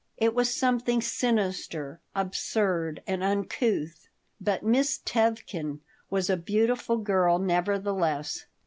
It was something sinister, absurd, and uncouth But Miss Tevkin was a beautiful girl, nevertheless.